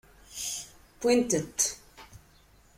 Wwin-tent.